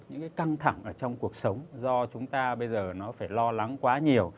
những cái căng thẳng ở trong cuộc sống do chúng ta bây giờ nó phải lo lắng quá nhiều